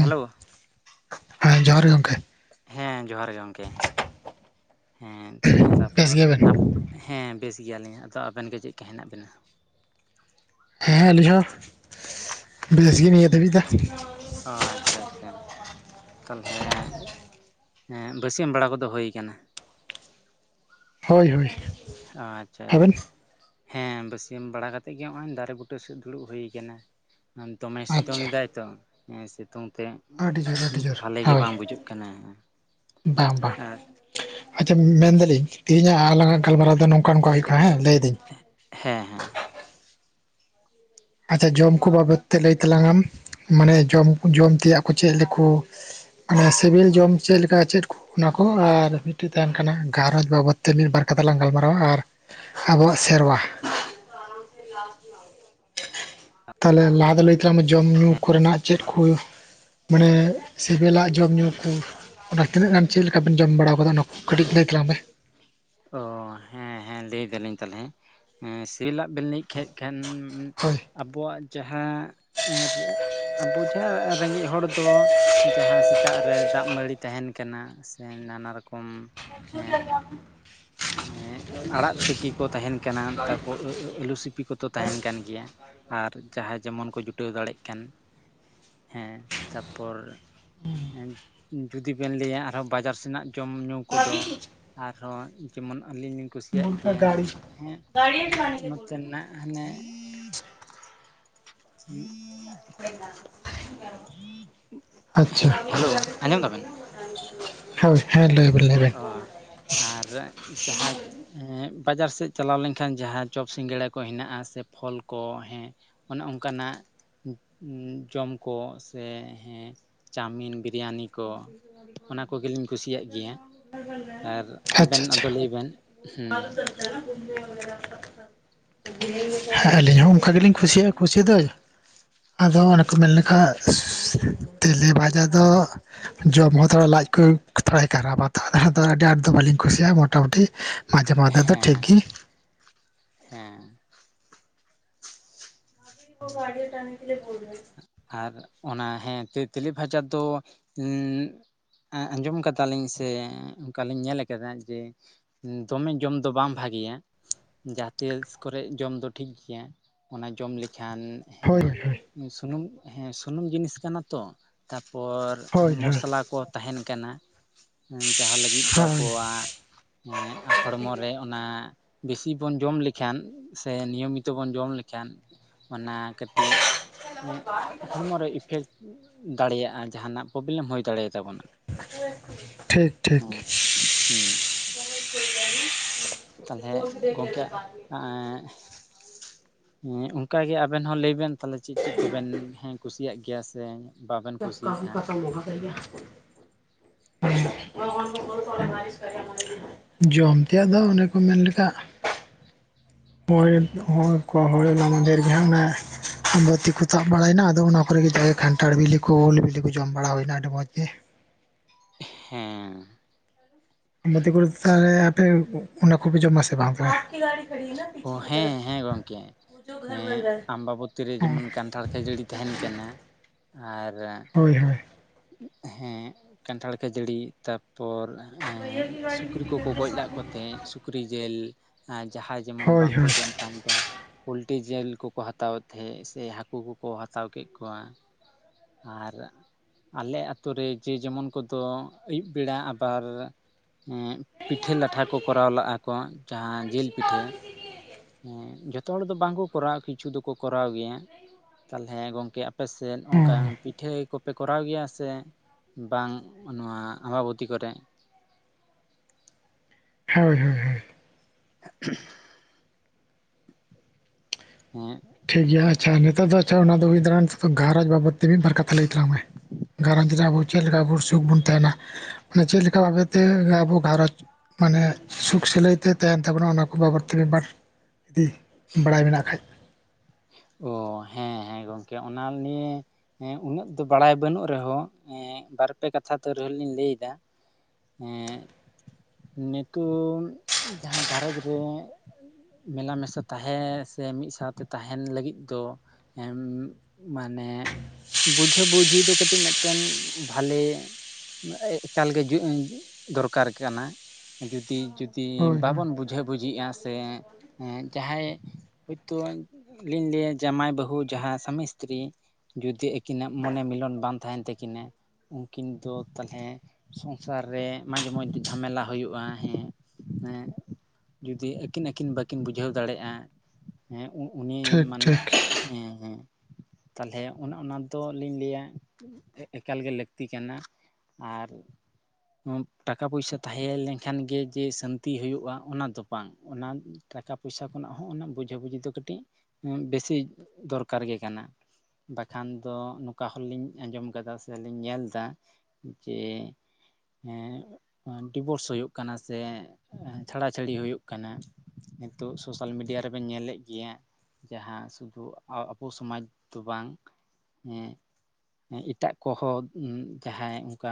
Hello ᱦᱮᱸ ᱡᱚᱦᱟᱨ ᱜᱮ ᱜᱚᱝᱠᱮ᱾ ᱦᱮᱸ ᱡᱚᱦᱟᱨ ᱜᱮ ᱜᱚᱢᱠᱮ ᱦᱮᱸ ᱵᱮᱥ ᱛᱟᱯᱚᱨ ᱜᱮᱭᱟᱵᱮᱱ ᱱᱟᱼᱼ ᱦᱮᱸ ᱵᱮᱥ ᱜᱮᱭᱟᱞᱤᱧ ᱟᱫᱚ ᱟᱵᱮᱱ ᱜᱮ ᱪᱮᱫ ᱞᱮᱠᱟ ᱦᱮᱱᱟᱜ ᱵᱮᱱᱟ? ᱦᱮᱸ ᱟᱹᱞᱤᱧ ᱦᱚᱸ ᱵᱮᱥ ᱜᱮ ᱱᱤᱭᱟᱹ ᱫᱷᱟᱹᱵᱤᱡ ᱫᱚ᱾ ᱟᱪᱪᱷᱟ ᱟᱪᱪᱷᱟ᱾ ᱛᱟᱞᱦᱮ ᱮᱸ ᱵᱟᱹᱥᱭᱟᱹᱢ ᱵᱟᱲᱟ ᱠᱚᱫᱚ ᱦᱩᱭ ᱟᱠᱟᱱᱟ? ᱦᱳᱭ ᱦᱳᱭ᱾ ᱟᱪᱪᱷᱟ ᱟᱵᱮᱱ ᱟᱪᱪᱷᱟ᱾ ᱦᱮᱸ ᱵᱟᱹᱥᱭᱟᱹᱢ ᱵᱟᱲᱟ ᱠᱟᱛᱮ ᱜᱮ ᱱᱚᱜᱼᱚᱭ ᱫᱟᱨᱮ ᱵᱩᱴᱟᱹ ᱥᱮᱫ ᱫᱩᱲᱩᱵ ᱦᱩᱭ ᱠᱟᱱᱟ ᱫᱚᱢᱮ ᱥᱤᱛᱩᱝ ᱟᱪᱪᱷᱟ ᱮᱫᱟᱭᱼᱼ ᱥᱤᱛᱩᱝ ᱦᱮᱸ ᱥᱤᱛᱩᱝ ᱛᱮᱼᱼ ᱟᱹᱰᱤ ᱡᱳᱨ ᱟᱹᱰᱤ ᱡᱳᱨ ᱵᱷᱟᱞᱮ ᱜᱮ ᱦᱳᱭ ᱵᱟᱝ ᱵᱩᱡᱩᱜ ᱠᱟᱱᱟ ᱵᱟᱝ ᱵᱟᱝ ᱟᱨᱼᱼ ᱟᱪᱪᱷᱟ ᱢᱮᱱᱫᱟᱞᱤᱧ ᱛᱮᱤᱦᱤᱧᱟᱜ ᱟᱞᱟᱝᱟᱜ ᱜᱟᱞᱢᱟᱨᱟᱣ ᱫᱚ ᱱᱚᱝᱠᱟ ᱱᱚᱝᱠᱟ ᱦᱩᱭᱩᱜᱼᱟ ᱠᱟᱱᱟ ᱦᱮᱸ ᱞᱟᱹᱭᱫᱟᱹᱧ᱾ ᱮᱜ ᱦᱮᱸ ᱦᱮᱸ᱾ ᱟᱪᱪᱷᱟ ᱡᱚᱢ ᱠᱚ ᱵᱟᱵᱚᱫ ᱛᱮ ᱞᱟᱹᱭ ᱛᱟᱞᱟᱝ ᱟᱢ ᱢᱟᱱᱮ ᱡᱚᱢ ᱡᱚᱢ ᱛᱮᱭᱟᱜ ᱠᱚ ᱪᱮᱫᱠᱚᱼᱼ ᱢᱟᱱᱮ ᱥᱮᱵᱮᱞ ᱡᱚᱢ ᱪᱮᱫ ᱞᱮᱠᱟ ᱪᱮᱫ ᱠᱚ ᱚᱱᱟ ᱠᱚ ᱟᱨ ᱢᱤᱫᱴᱮᱡ ᱛᱟᱦᱮᱱ ᱠᱟᱱᱟ ᱜᱷᱟᱨᱚᱸᱡᱽ ᱵᱟᱵᱚᱛ ᱾ ᱢᱤᱫ ᱵᱟᱨ ᱠᱟᱛᱷᱟ ᱞᱟᱝ ᱜᱟᱞᱢᱟᱨᱟᱣᱟ ᱟᱨ ᱟᱵᱚᱣᱟᱜ ᱥᱮᱨᱣᱟ᱾ ᱛᱟᱦᱚᱞᱮ ᱞᱟᱦᱟ ᱫᱚ ᱞᱟᱹᱭ ᱛᱟᱞᱟᱝ ᱢᱮ ᱡᱚᱢ ᱧᱩ ᱠᱚᱨᱮᱱᱟᱜ ᱪᱮᱫ ᱠᱚ ᱢᱟᱱᱮ ᱥᱮᱵᱮᱞᱟᱜ ᱡᱚᱢ ᱧᱩ ᱠᱚ ᱚᱱᱟ ᱛᱤᱱᱟᱹᱜ ᱜᱟᱱ ᱪᱮᱫ ᱞᱮᱠᱟᱵᱤᱱ ᱡᱚᱢ ᱵᱟᱲᱟᱣ ᱠᱟᱫᱟ ᱚᱱᱟ ᱠᱟᱹᱴᱤᱡ ᱞᱟᱹᱭ ᱛᱟᱞᱟᱝ ᱢᱮ ᱚ ᱦᱮᱸ ᱦᱮᱸ ᱞᱟᱹᱭ ᱫᱟᱞᱤᱧ ᱛᱟᱞᱦᱮ ᱥᱤᱞᱟᱜ ᱵᱮᱱ ᱞᱟ. ᱭ ᱠᱮᱫ ᱠᱷᱟᱱ ᱦᱳᱭ ᱟᱵᱚᱣᱟᱜ ᱡᱟᱦᱟᱸ ᱟᱵᱚ ᱡᱟᱦᱟᱸ ᱨᱮᱸᱜᱮᱡ ᱦᱚᱲ ᱫᱚ ᱡᱟᱦᱟᱸ ᱥᱮᱛᱟᱜ ᱨᱮ ᱫᱟᱜ ᱢᱟᱹᱲᱤ ᱛᱟᱦᱮᱱ ᱠᱟᱱᱟ ᱥᱮ ᱱᱟᱱᱟ ᱨᱚᱠᱚᱢ ᱮᱸᱜ [unintelligible] ᱮᱸᱜ ᱟᱲᱟᱜ ᱛᱤᱠᱤ ᱠᱚ ᱛᱟᱦᱮᱱ ᱠᱟᱱᱟ ᱛᱟᱨᱯᱚᱨ ᱟᱹᱞᱩ ᱥᱤᱯᱤ ᱠᱚᱛᱚ ᱛᱟᱦᱮᱱ ᱠᱟᱱ ᱜᱮᱭᱟ ᱟᱨ ᱡᱟᱦᱟᱸᱭ ᱡᱮᱢᱚᱱ ᱠᱚ ᱡᱩᱴᱟᱹᱣ ᱫᱟᱲᱮᱜ ᱠᱟᱱ ᱦᱮᱸ ᱛᱟᱯᱚᱨ ᱡᱩᱫᱤ ᱵᱮᱱ ᱞᱟᱹᱭᱟ ᱟᱨᱦᱚᱸ ᱵᱟᱡᱟᱨ ᱥᱮᱱᱟᱜ ᱡᱚᱢ ᱧᱩ ᱠᱚᱫᱚ ᱟᱨᱦᱚᱸ ᱡᱮᱢᱚᱱ ᱟᱹᱞᱤᱧ ᱞᱤᱧ ᱠᱩᱥᱤᱭᱟᱜ ᱜᱮᱭᱟ ᱦᱮᱸ ᱱᱚᱛᱮᱱᱟᱜ ᱦᱟᱱᱮ ᱟᱪᱪᱷᱟ, ᱦᱮᱞᱳ ᱟᱸᱡᱚᱢ ᱫᱟᱵᱮᱱ ᱦᱳᱭ ᱦᱮᱸ ᱞᱟᱹᱭ ᱵᱮᱱ ᱞᱟᱹᱭ ᱵᱮᱱ ᱚ ᱟᱨ ᱡᱟᱦᱟᱸ ᱦᱮᱸ ᱵᱟᱡᱟᱨ ᱥᱮᱫ ᱪᱟᱞᱟᱣ ᱞᱮᱱᱠᱷᱟᱱ ᱡᱟᱦᱟᱸ ᱪᱚᱯ ᱥᱤᱸᱜᱟᱹᱲᱟ ᱠᱚ ᱦᱮᱱᱟᱜᱼᱟ ᱥᱮ ᱯᱷᱚᱞ ᱠᱚ ᱦᱮᱸ ᱚᱱᱮ ᱚᱱᱠᱟ ᱱᱟᱜ ᱡᱚᱢ ᱠᱚ ᱥᱮ ᱦᱮᱸ ᱪᱟᱣᱢᱤᱱ ᱵᱤᱨᱭᱟᱱᱤ ᱠᱚ ᱟᱪᱪᱷᱟ ᱚᱱᱟ ᱠᱚᱜᱮᱞᱤᱧ ᱠᱩᱥᱤᱭᱟᱜ ᱜᱮᱭᱟ ᱟᱨ ᱟᱵᱮᱱ ᱟᱪᱪᱷᱟ ᱟᱫᱚ ᱾ ᱞᱟᱹᱭ ᱵᱮᱱ ᱦᱮᱸ ᱦᱮᱸ ᱟᱹᱞᱤᱧ ᱦᱚᱸ ᱚᱱᱠᱟ ᱜᱮᱞᱤᱧ ᱠᱩᱥᱤᱭᱟᱜᱼᱟ ᱠᱩᱥᱤ ᱫᱚ ᱾ ᱟᱫᱚ ᱚᱱᱮ ᱠᱚ ᱢᱮᱱ ᱞᱮᱠᱷᱟ ᱛᱮᱞᱮ ᱵᱷᱟᱡᱟ ᱫᱚ ᱡᱚᱢ ᱦᱚᱸ ᱛᱷᱚᱲᱟ ᱞᱟᱡ ᱠᱚ ᱛᱷᱚᱲᱟᱭ ᱠᱷᱟᱨᱟᱯᱟ ᱛᱚ ᱟᱹᱰᱤ ᱟᱸᱴ ᱫᱚ ᱵᱟᱹᱞᱤᱧ ᱠᱩᱥᱤᱭᱟᱜᱼᱟ ᱢᱳᱴᱟᱢᱩᱴᱤ ᱾ ᱢᱟᱡᱮ ᱢᱚᱫᱫᱷᱮ ᱫᱚ ᱴᱷᱤᱠ ᱦᱮᱸ ᱜᱤ, ᱦᱮᱸ [unintelligible] ᱟᱨ ᱚᱱᱟ ᱦᱮᱸ ᱛᱮ ᱛᱮᱞᱮ ᱵᱷᱟᱡᱟ ᱫᱚ ᱮᱸ ᱟᱸᱡᱚᱢ ᱠᱟᱫᱟᱞᱤᱧ ᱥᱮ ᱚᱱᱠᱟᱞᱤᱧ ᱧᱮᱞ ᱟᱠᱟᱫᱟ ᱡᱮ ᱫᱚᱢᱮ ᱡᱚᱢ ᱫᱚ ᱵᱟᱝ ᱵᱷᱟᱜᱮᱭᱟ ᱾ ᱡᱟᱦᱟᱸ ᱛᱤᱥ ᱠᱚᱨᱮ ᱡᱚᱢ ᱫᱚ ᱴᱷᱤᱠ ᱜᱮᱭᱟ, ᱚᱱᱟ ᱡᱚᱢ ᱞᱮᱠᱷᱟᱱ ᱦᱳᱭ ᱦᱳᱭ ᱦᱮᱸ ᱥᱩᱱᱩᱢ ᱦᱮᱸ ᱥᱩᱱᱩᱢ ᱡᱤᱱᱤᱥ ᱠᱟᱱᱟ ᱛᱚ ᱛᱟᱯᱚᱨ ᱦᱳᱭ ᱦᱳᱭ ᱢᱚᱥᱞᱟ ᱠᱚ ᱛᱟᱦᱮᱱ ᱠᱟᱱᱟ ᱡᱟᱦᱟᱸ ᱞᱟᱹᱜᱤᱫ ᱫᱚ ᱦᱳᱭ ᱟᱵᱚᱣᱟᱜ ᱮᱸ ᱦᱚᱲᱢᱚ ᱨᱮ ᱚᱱᱟ ᱵᱮᱥᱤ ᱵᱚᱱ ᱡᱚᱢ ᱞᱮᱠᱷᱟᱱ ᱥᱮ ᱱᱤᱭᱚᱢᱤᱛᱚ ᱵᱚᱱ ᱡᱚᱢ ᱞᱮᱠᱷᱟᱱ ᱚᱱᱟ ᱠᱟᱹᱴᱤᱡ ᱮᱸ ᱦᱚᱲᱢᱚᱨᱮ ᱤᱯᱷᱮᱠᱴ ᱫᱟᱲᱮᱭᱟᱜᱼᱟ ᱡᱟᱦᱟᱱᱟᱜ ᱯᱨᱚᱵᱞᱮᱢ ᱦᱩᱭ ᱫᱟᱲᱮᱭ ᱛᱟᱵᱚᱱᱟ᱾ ᱴᱷᱤᱠ ᱴᱷᱤᱠ ᱾ ᱛᱟᱞᱦᱮ ᱜᱚᱝᱠᱮ ᱮᱸ ᱚᱱᱠᱟᱜᱮ ᱟᱵᱮᱱ ᱦᱚᱸ ᱞᱟᱹᱭ ᱵᱮᱱ ᱛᱟᱞᱦᱮ ᱪᱮᱫ ᱪᱮᱫ ᱠᱚᱵᱮᱱ ᱦᱮ ᱠᱩᱥᱤᱭᱟᱜ ᱜᱮᱭᱟ ᱥᱮ ᱵᱟᱵᱮᱱ [unintelligible] ᱠᱩᱥᱤᱭᱟᱜᱼᱟ ᱡᱚᱢ ᱛᱮᱭᱟ ᱫᱚ ᱚᱱᱮ ᱠᱚ ᱢᱮᱱ ᱞᱠᱮᱟ ᱦᱚᱭ ᱦᱚᱲ ᱠᱚ [inaudible] ᱢᱟᱫᱷᱮᱨ ᱜᱮ ᱚᱱᱮ ᱵᱟᱹᱛᱤ ᱠᱚ ᱛᱟᱵ ᱵᱟᱲᱟᱭᱱᱟ ᱟᱫᱚ ᱚᱱᱟ ᱠᱚᱨᱮ ᱜᱮ ᱡᱟᱜᱮ ᱠᱟᱱᱴᱷᱟᱲ ᱵᱤᱞᱤ ᱠᱚ ᱩᱞ ᱵᱤᱞᱤ ᱠᱚ ᱡᱚᱢ ᱵᱟᱲᱟ ᱦᱩᱭᱱᱟ ᱟᱹᱰᱤ ᱢᱚᱸᱡᱽ ᱜᱮ, ᱦᱮᱸ [unintelligible] ᱛᱟᱦᱚᱞᱮ ᱟᱯᱮ ᱚᱱᱟ ᱠᱚᱯᱮ ᱡᱚᱢ ᱟᱥᱮ ᱵᱟᱝ? ᱚ ᱦᱮᱸ ᱦᱮᱸ ᱜᱚᱝᱠᱮ ᱾ ᱦᱮᱸ ᱟᱢᱵᱟᱵᱚᱛᱤ ᱨᱮ ᱦᱳᱭ ᱡᱮᱢᱚᱱ ᱠᱟᱱᱴᱷᱟᱲ ᱠᱷᱟᱹᱡᱟᱹᱲᱤ ᱛᱟᱦᱮᱱ ᱠᱟᱱᱟ, ᱟᱨ ᱦᱳᱭ ᱦᱳᱭ ᱦᱮᱸ ᱠᱟᱱᱴᱷᱟᱲ ᱠᱷᱟᱹᱡᱟᱹᱲᱤ ᱛᱟᱨ ᱯᱚᱨ ᱮᱸ ᱥᱩᱠᱨᱤ ᱠᱚᱠᱚ ᱜᱚᱡ ᱞᱟᱪ ᱠᱚᱛᱮᱡ ᱥᱩᱠᱨᱤ ᱡᱮᱞ ᱡᱟᱦᱟᱸᱭ ᱡᱮᱢᱚᱱ ᱦᱳᱭ ᱚ ᱵᱟᱝᱠᱚ ᱡᱚᱢ ᱠᱷᱟᱱ ᱫᱚ ᱯᱳᱞᱴᱤ ᱡᱤᱞ ᱠᱚᱠᱚ ᱦᱟᱛᱟᱣᱮᱫ ᱛᱟᱦᱮᱸᱫ ᱥᱮ ᱦᱟᱹᱠᱩ ᱠᱚᱠᱚ ᱦᱟᱛᱟᱣ ᱠᱮᱫ ᱠᱚᱣᱟ, ᱟᱨ ᱟᱞᱮ ᱟᱛᱳ ᱨᱮ ᱡᱮ ᱡᱮᱢᱚᱱ ᱠᱚᱫᱚ ᱟᱹᱭᱩᱵ ᱵᱮᱲᱟ ᱟᱵᱟᱨ ᱮᱸᱜ ᱯᱤᱴᱷᱟᱹ ᱞᱟᱴᱷᱟ ᱠᱚ ᱠᱚᱨᱟᱣ ᱞᱟᱜᱼᱟ ᱠᱚ ᱡᱟᱦᱟᱸ ᱡᱤᱞ ᱯᱤᱴᱷᱟᱹ ᱦᱮᱸ ᱡᱷᱚᱛᱚ ᱦᱚᱲ ᱫᱚ ᱵᱟᱝ ᱠᱚ ᱠᱚᱨᱟᱣᱟ ᱠᱤᱪᱷᱩ ᱫᱚᱠᱚ ᱠᱚᱨᱟᱣ ᱜᱮᱭᱟ ᱛᱟᱞᱦᱮ ᱜᱚᱝᱠᱮ ᱟᱯᱮ ᱥᱮᱫ ᱚᱱᱠᱟ ᱦᱳᱭ ᱯᱤᱴᱷᱟᱹ ᱠᱚᱯᱮ ᱠᱚᱨᱟᱣ ᱜᱮᱭᱟ ᱥᱮ ᱵᱟᱝ ᱱᱚᱣᱟ ᱟᱢᱵᱟᱵᱚᱛᱤ ᱠᱚᱨᱮᱜ? ᱦᱳᱭ ᱦᱳᱭ ᱦᱳᱭ, [inaudible] ᱦᱮᱸᱜᱼᱼ ᱴᱷᱤᱠ ᱜᱮᱭᱟ ᱟᱪᱪᱷᱟ ᱱᱮᱛᱚᱜ ᱫᱚ ᱟᱪᱪᱷᱟ ᱚᱱᱟᱫᱚ [unintelligible] ᱜᱷᱟᱨᱚᱸᱡᱽ ᱵᱟᱵᱚᱫ ᱛᱮᱜᱮ ᱵᱟᱨ ᱠᱟᱛᱷᱟ ᱞᱟᱹᱭ ᱛᱟᱞᱟᱝ ᱢᱮ᱾ ᱜᱷᱟᱨᱚᱸᱡᱽ ᱨᱮ ᱟᱵᱚ ᱪᱮᱫ ᱞᱮᱠᱟ ᱟᱵᱚ ᱥᱩᱠ ᱵᱚᱱ ᱛᱟᱦᱮᱱᱟ? ᱢᱟᱱᱮ ᱪᱮᱫ ᱞᱮᱠᱟ ᱵᱷᱟᱵᱮᱛᱮ ᱟᱵᱚ ᱜᱷᱟᱨᱚᱸᱡᱽᱼᱼ ᱢᱟᱱᱮ ᱥᱩᱠ ᱥᱟᱞᱟᱹᱭ ᱛᱮ ᱛᱟᱦᱮᱸᱱ ᱛᱟᱵᱚᱱᱟ ᱚᱱᱟ ᱠᱚ ᱵᱟᱵᱚᱫ ᱛᱮᱜᱮ ᱢᱤᱫ ᱵᱟᱨ ᱡᱩᱫᱤ ᱵᱟᱲᱟᱭ ᱢᱮᱱᱟᱜ ᱠᱷᱟᱡᱼᱼ ᱚ ᱦᱮᱸ-ᱦᱮᱸ ᱜᱚᱝᱠᱮ ᱚᱱᱟ ᱱᱤᱭᱮᱼᱼ ᱦᱮᱸ ᱩᱱᱟᱹᱜ ᱫᱚ ᱵᱟᱲᱟᱭ ᱵᱟᱹᱱᱩᱜ ᱨᱮᱦᱚᱸ ᱮᱸ ᱵᱟᱨᱯᱮ ᱠᱟᱛᱷᱟ ᱛᱟᱹᱣ ᱨᱮᱦᱚᱸ ᱞᱤᱧ ᱞᱟᱹᱭ ᱮᱫᱟᱼᱼ ᱮᱸᱜ ᱱᱤᱳᱜ ᱡᱟᱦᱟᱸ ᱜᱷᱟᱨᱚᱸᱡᱽ ᱨᱮᱼᱼ ᱢᱮᱞᱟ ᱢᱮᱥᱟ ᱛᱟᱦᱮᱸ ᱥᱮ ᱢᱤᱫ ᱥᱟᱸᱣᱛᱮᱼᱼ ᱛᱟᱦᱮᱸᱱ ᱞᱟᱹᱜᱤᱫ ᱫᱚ ᱮᱸᱢ ᱢᱟᱱᱮᱼᱼ ᱵᱩᱡᱷᱟᱹ ᱵᱩᱡᱷᱤ ᱫᱚ ᱠᱟᱹᱴᱤᱡ ᱢᱤᱫᱴᱮᱱ ᱵᱷᱟᱞᱮᱼᱼ ᱮᱠᱟᱞ ᱜᱮ [unintelligible] ᱫᱚᱨᱠᱟᱨ ᱠᱟᱱᱟ᱾ ᱡᱩᱫᱤ-ᱡᱩᱫᱤ ᱦᱳᱭ ᱦᱳᱭ ᱵᱟᱵᱚᱱ ᱵᱩᱡᱷᱟᱹ ᱵᱩᱡᱷᱤᱜ-ᱟ ᱥᱮᱸᱼᱼ ᱦᱮᱸ ᱡᱟᱦᱟᱸᱭ ᱦᱳᱭᱛᱳ ᱞᱤᱧ ᱞᱟᱹᱭᱟ ᱡᱟᱢᱟᱭ, ᱵᱟᱹᱦᱩ ᱡᱟᱦᱟᱸ ᱥᱟᱢᱤᱥᱛᱨᱤᱼᱼ ᱡᱩᱫᱤ ᱟᱹᱠᱤᱱᱟᱜ ᱢᱚᱱᱮ ᱢᱤᱞᱚᱱ ᱵᱟᱝ ᱛᱟᱦᱮᱸᱱ ᱛᱟᱹᱠᱤᱱᱟᱼᱼ ᱩᱱᱠᱤᱱ ᱫᱚ ᱛᱟᱞᱦᱮ ᱥᱚᱝᱥᱟᱨ ᱨᱮ ᱢᱟᱡᱷᱮ ᱢᱳᱫᱫᱷᱮ ᱡᱷᱟᱢᱮᱞᱟ ᱦᱳᱭᱳᱜ-ᱟ, ᱦᱮᱸ ᱦᱮᱸ ᱡᱩᱫᱤ ᱟᱹᱠᱤᱱ-ᱟᱹᱠᱤᱱ ᱵᱟᱹᱠᱤᱱ ᱵᱩᱡᱷᱟᱹᱣ ᱫᱟᱲᱮᱜ-ᱟ ᱩ-ᱩᱱᱤ ᱴᱷᱤᱠ ᱢᱟᱱᱮ ᱴᱷᱤᱠ ᱦᱮᱸ-ᱦᱮᱸ ᱛᱟᱞᱦᱮ ᱚᱱᱮ ᱚᱱᱟ ᱫᱚᱞᱤᱧ ᱞᱟᱹᱭᱟᱼᱼ ᱮ-ᱮᱠᱟᱞ ᱜᱮ ᱞᱟᱹᱠᱛᱤ ᱠᱟᱱᱟ, ᱟᱨᱼᱼ [unintelligible] ᱴᱟᱠᱟ ᱯᱚᱭᱥᱟ ᱛᱟᱦᱮᱸ ᱞᱮᱱᱠᱷᱟᱱ ᱜᱮ ᱡᱮ ᱥᱟᱹᱱᱛᱤ ᱦᱳᱭᱳᱜ-ᱟ ᱚᱱᱟ ᱫᱚ ᱵᱟᱝ ᱚᱱᱟᱼᱼ ᱴᱟᱠᱟ ᱯᱚᱭᱥᱟ ᱠᱷᱚᱱᱟᱜ ᱦᱚᱸ ᱚᱱᱟ ᱵᱩᱡᱷᱟᱹ-ᱵᱩᱡᱷᱤ ᱫᱚ ᱠᱟᱹᱴᱤᱡ ᱵᱮᱥᱤ ᱫᱚᱨᱠᱟᱨ ᱜᱮ ᱠᱟᱱᱟ᱾ ᱵᱟᱠᱷᱟᱱ ᱫᱚ ᱱᱚᱝᱠᱟ ᱦᱚᱞᱞᱤᱧ ᱟᱸᱡᱚᱢ ᱠᱟᱫᱟ ᱥᱮ ᱞᱤᱧ ᱧᱮᱞ ᱫᱟᱼᱼ ᱡᱮ ᱦᱮᱸᱼᱼ ᱟᱸ ᱰᱤᱵᱳᱨᱥ ᱦᱳᱭᱳᱜ ᱠᱟᱱᱟ ᱥᱮ ᱪᱷᱟᱲᱟ ᱪᱷᱟᱹᱲᱤ ᱦᱳᱭᱳᱜ ᱠᱟᱱᱟ᱾ ᱱᱤᱛᱳᱜ ᱥᱳᱥᱟᱞ ᱢᱤᱰᱤᱭᱟ ᱨᱮ ᱵᱮᱱ ᱧᱮᱞᱮᱜ ᱜᱮᱭᱟ᱾ ᱡᱟᱦᱟᱸ ᱥᱩᱫᱷᱩ ᱟ-ᱟᱵᱚ ᱥᱚᱢᱟᱡᱽ ᱫᱚ ᱵᱟᱝ ᱦᱮᱸᱼᱼ ᱮᱸ ᱮᱴᱟᱜ ᱠᱚᱦᱚᱸ ᱩᱸ ᱡᱟᱦᱟᱸᱭ ᱚᱱᱠᱟᱼᱼ